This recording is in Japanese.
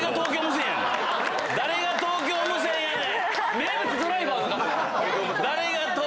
誰が東京無線やねん。